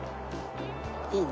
いいね。